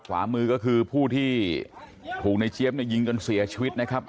ขวามือก็คือผู้ที่ถูกในเจี๊ยบเนี่ยยิงจนเสียชีวิตนะครับ